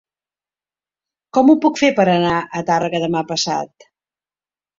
Com ho puc fer per anar a Tàrrega demà passat?